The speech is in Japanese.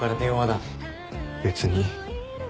別に。